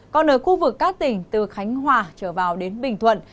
còn ở khu vực các tỉnh từ khánh hòa trở vào đến bình thuận